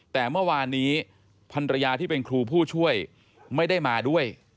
แต่เมื่อวานนี้พันรยาที่เป็นครูผู้ช่วยไม่ได้มาด้วย